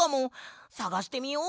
さがしてみよう。